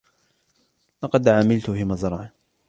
لقد عملت في مزرعة.